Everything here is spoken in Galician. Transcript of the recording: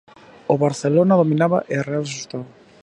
O Barcelona dominaba e a Real asustaba.